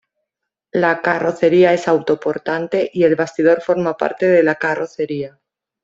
La carrocería es autoportante y el bastidor forma parte de la carrocería.